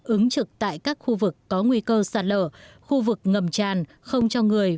ứng trực tại các khu vực có nguy cơ sạt lở khu vực ngầm tràn không cho người